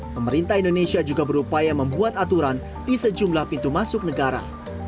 pemerintah indonesia juga berupaya membuat aturan di sejumlah pintu masuk negara